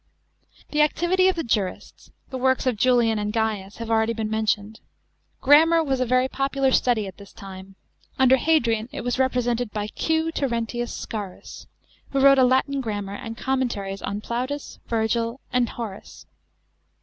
§ 7. The activity of the jurists, the works of Julian and Gaius, have been already mentioned. Grammar was a very popular study at this time. Under Hadiian it was represented by Q. TERENTIUS SCAURUS, who wrote a Latin grammar and commentaries on Plautus, Virgil, and Horace.